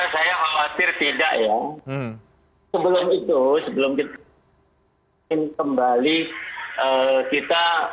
saya khawatir tidak ya